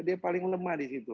dia paling lemah di situ